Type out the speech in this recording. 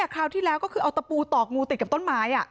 คราวที่แล้วก็คือเอาตะปูตอกงูติดกับต้นไม้